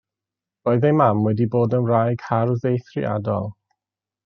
Roedd ei mam wedi bod yn wraig hardd eithriadol.